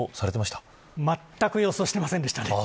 まったく予想していませんでしたね。